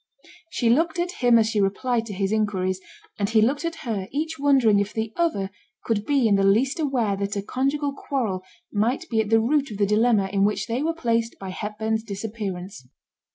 She looked at him as she replied to his inquiries, and he looked at her, each wondering if the other could be in the least aware that a conjugal quarrel might be at the root of the dilemma in which they were placed by Hepburn's disappearance.